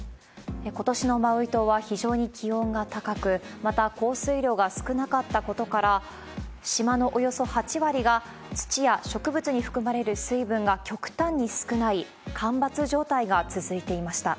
ことしのマウイ島は非常に気温が高く、また、降水量が少なかったことから、島のおよそ８割が、土や植物に含まれる水分が極端に少ない、干ばつ状態が続いていました。